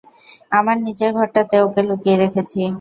আমার নিচের ঘরটাতে ওকে লুকিয়ে রেখেছি।